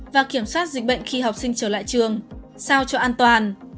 và kiểm soát dịch bệnh khi học sinh trở lại trường sao cho an toàn